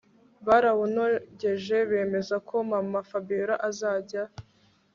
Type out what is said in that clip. barawunogeje bemeza ko mamaFabiora azajya